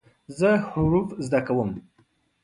زه حروف زده کوم.